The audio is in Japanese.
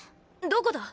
どこだ？